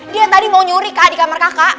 dia tadi mau nyuri kak di kamar kakak